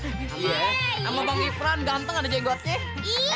sama bang ipan ganteng ada jenggotnya